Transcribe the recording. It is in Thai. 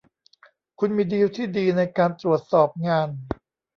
คุณมีดีลที่ดีในการตรวจสอบงาน